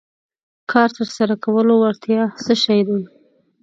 کار تر سره کولو وړتیا څه شی دی.